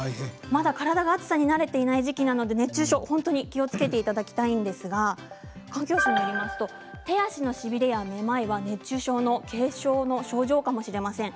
まだ体が暑さに慣れていない時期なので熱中症に本当に気をつけていただきたいんですが環境省によりますと手足のしびれや、めまいは熱中症の症状かもしれません。